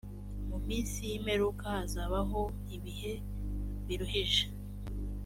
mu minsi y imperuka hazabaho ibihe biruhije